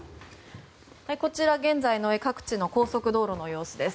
こちら現在の各地の高速道路の様子です。